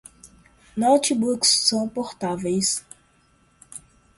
Notebooks são portáteis